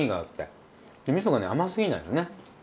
みそがね甘すぎないのね。